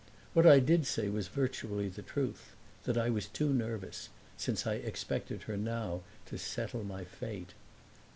What I did say was virtually the truth that I was too nervous, since I expected her now to settle my fate.